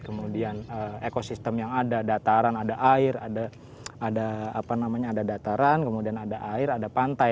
kemudian ekosistem yang ada dataran ada air ada dataran kemudian ada air ada pantai